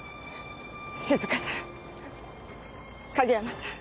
静香さん景山さん。